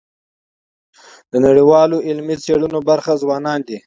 د نړیوالو علمي څيړنو برخه ځوانان دي.